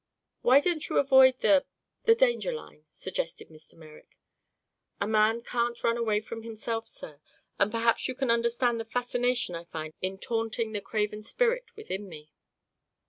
"Why don't you avoid the the danger line?" suggested Mr. Merrick. "A man can't run away from himself, sir; and perhaps you can understand the fascination I find in taunting the craven spirit within me."